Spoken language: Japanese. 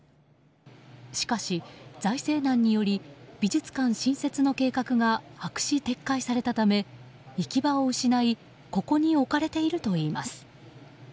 しかし、財政難により美術館新設の計画が白紙撤回されたため行き場を失いここに置かれているといいます。